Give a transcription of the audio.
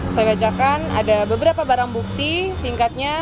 saya bacakan ada beberapa barang bukti singkatnya